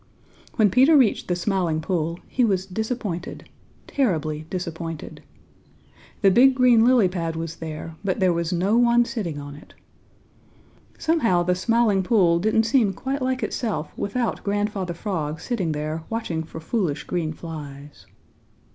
When Peter reached the Smiling Pool he was disappointed, terribly disappointed. The big green lily pad was there, but there was no one sitting on it. Somehow the Smiling Pool didn't seem quite like itself without Grandfather Frog sitting there watching for foolish green flies.